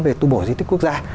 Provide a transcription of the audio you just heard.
về tu bổ di tích quốc gia